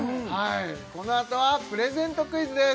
このあとはプレゼントクイズです